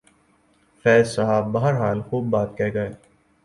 فیض صاحب بہرحال خوب بات کہہ گئے۔